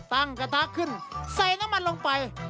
กระทะขึ้นใส่น้ำมันลงไป